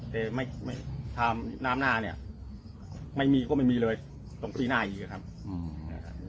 แต่ไม่ถามน้ำหน้าเนี้ยไม่มีก็ไม่มีเลยตรงที่หน้าอีกอะครับอืม